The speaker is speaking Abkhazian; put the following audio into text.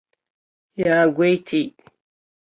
Иаагәеиҭеит.